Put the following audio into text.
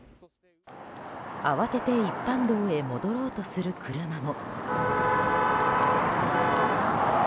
慌てて一般道へ戻ろうとする車も。